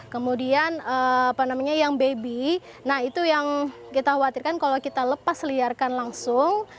kemudian apa namanya yang baby nah itu yang kita khawatirkan kalau kita lepas liarkan langsung